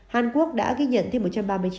hàn quốc đã ghi nhận thêm một trăm ba mươi chín ca